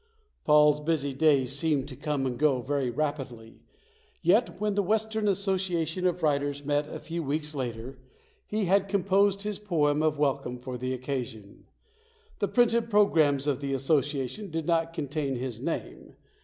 Paul's busy days seemed to come and go very rapidly. Yet when the Western Association of Writers met a few weeks later he had composed his poem of welcome for the occasion. The printed programs of the association did not contain his name.